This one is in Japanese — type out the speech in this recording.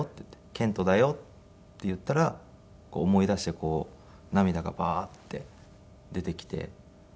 「健永だよ」って言ったら思い出して涙がバーッて出てきて。